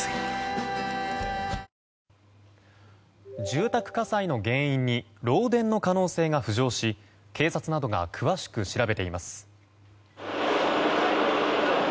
住宅火災の原因に漏電の可能性が浮上し警察などが詳しく調べています。